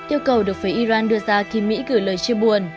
yêu cầu được phía iran đưa ra khi mỹ gửi lời chia buồn